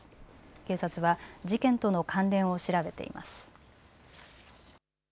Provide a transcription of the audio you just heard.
警察は事件との関連を調べています。